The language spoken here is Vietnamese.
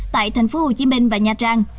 tại tp hcm và nha trang